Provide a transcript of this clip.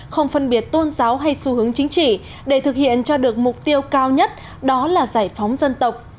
không phân biệt tôn giáo hay xu hướng chính trị để thực hiện cho được mục tiêu cao nhất đó là giải phóng dân tộc